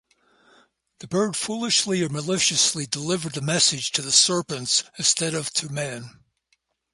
The bird foolishly or maliciously delivered the message to serpents instead of to men.